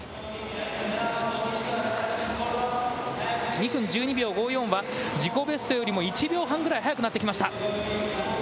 ２分１２秒５４は、自己ベストよりも１秒半ぐらい速くなってきました。